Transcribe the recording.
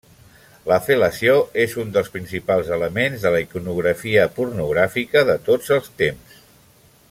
La fel·lació és un dels principals elements de la iconografia pornogràfica de tots els temps.